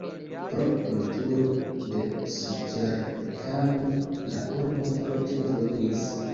Pro kulturo de sukerkano la urbo forte evoluis.